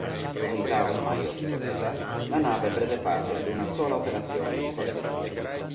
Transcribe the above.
Unità ormai obsoleta, la nave prese parte ad una sola operazione di qualche rilievo.